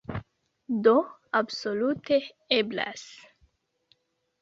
Do, absolute eblas.